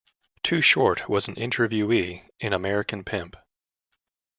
Too Short was an interviewee in American Pimp.